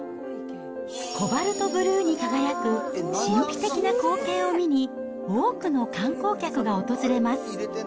コバルトブルーに輝く神秘的な光景を見に、多くの観光客が訪れます。